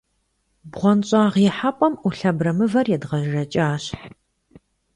БгъуэнщӀагъ ихьэпӀэм Ӏулъ абрэмывэр едгъэжэкӏащ.